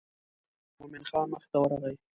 مومن خان مخې ته ورغی.